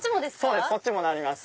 そっちもなります。